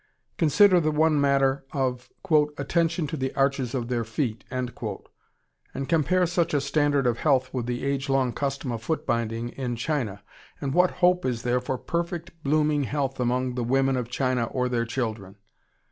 Consider the one matter of "attention to the arches of their feet" and compare such a standard of health with the age long custom of foot binding in China, and what hope is there for perfect, blooming health among the women of China or their children?